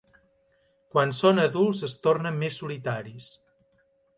Quan són adults es tornen més solitaris.